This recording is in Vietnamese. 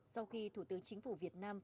sau khi thủ tướng chính phủ việt nam